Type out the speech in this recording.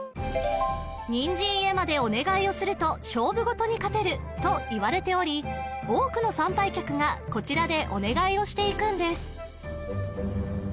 にんじん絵馬でお願いをすると勝負事に勝てるといわれており多くの参拝客がこちらでお願いをしていくんですいや